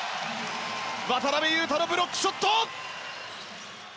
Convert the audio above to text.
渡邊雄太のブロックショット！